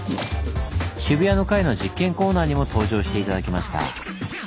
「渋谷」の回の実験コーナーにも登場して頂きました。